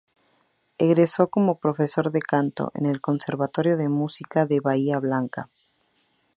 Egresó como profesor de Canto en el Conservatorio de Música de Bahía Blanca.